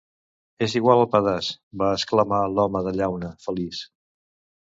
"És igual el pedaç" va exclamar l'home de llauna feliç.